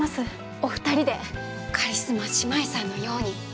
お二人でカリスマ姉妹さんのように。